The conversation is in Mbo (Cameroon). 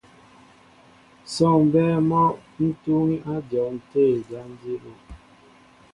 Sɔ́ɔŋ mbɛ́ɛ́ mɔ́ ń túúŋí á dyɔn tə̂ jǎn jí bú.